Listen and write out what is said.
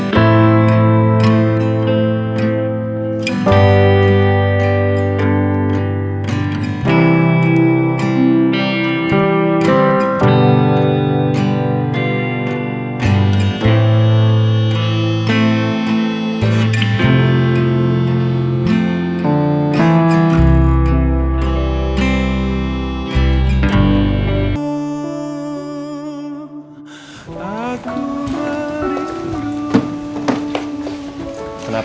terima kasih udah nonton